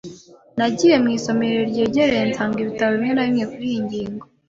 Nagiye mu isomero ryegereye nsanga ibitabo bimwe na bimwe kuriyi ngingo.